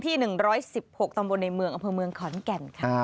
ที่๑๑๖ตำบลในเมืองอำเภอเมืองขอนแก่นค่ะ